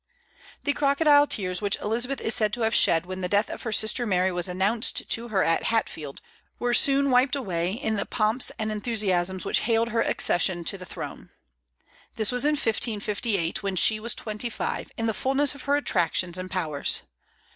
The crocodile tears which Elizabeth is said to have shed when the death of her sister Mary was announced to her at Hatfield were soon wiped away in the pomps and enthusiasms which hailed her accession to the throne. This was in 1558, when she was twenty five, in the fulness of her attractions and powers.